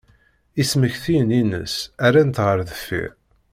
Ismektiyen-ines rran-tt ɣer deffir.